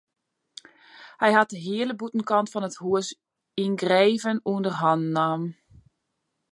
Hy hat de hiele bûtenkant fan it hûs yngreven ûnder hannen nommen.